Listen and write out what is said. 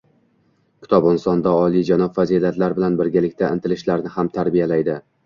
Kitob insonda olijanob fazilatlar bilan birgalikda intilishlarni ham tarbiyalaydi.